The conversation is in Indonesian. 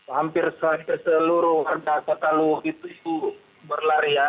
hampir seluruh kota luwuk itu berlarian